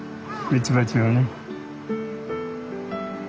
ミツバチがね。